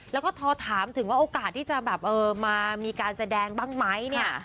แล้วก็พอถามถึงว่าโอกาสที่จะแบบเออมามีการแสดงบ้างไหมเนี่ย